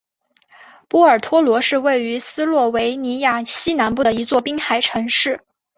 波尔托罗是位于斯洛维尼亚西南部的一座滨海城市。